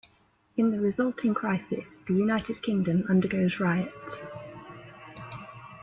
In the resulting crisis, the United Kingdom undergoes riots.